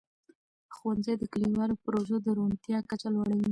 ښوونځي د کلیوالو پروژو د روڼتیا کچه لوړوي.